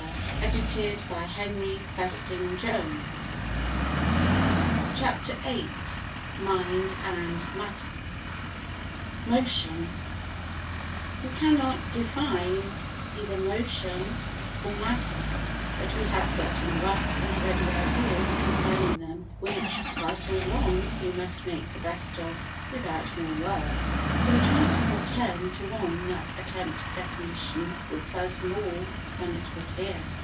But Christ is a more living kind of death than death is. VI Mind and Matter Motion WE cannot define either motion or matter, but we have certain rough and ready ideas concerning them which, right or wrong, we must make the best of without more words, for the chances are ten to one that attempted definition will fuzz more than it will clear.